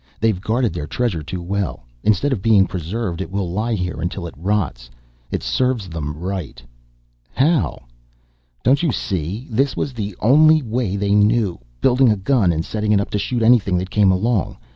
"They've guarded their treasure too well. Instead of being preserved it will lie here until it rots. It serves them right." "How?" "Don't you see? This was the only way they knew, building a gun and setting it up to shoot anything that came along.